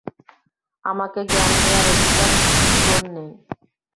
আমাকে জ্ঞান দেওয়ার অধিকার তোর নেই।